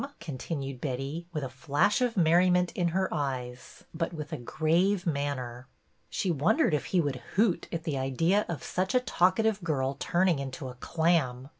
continued Betty, with a flash of merriment in her eyes, but 48 BETTY BAIRD^S VENTURES with a grave manner. She wondered if he would hoot at the idea of such a talkative girl turning into a clam